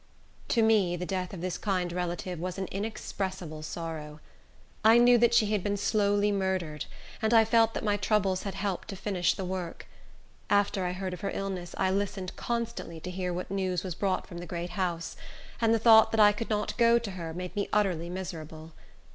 To me, the death of this kind relative was an inexpressible sorrow. I knew that she had been slowly murdered; and I felt that my troubles had helped to finish the work. After I heard of her illness, I listened constantly to hear what news was brought from the great house; and the thought that I could not go to her made me utterly miserable.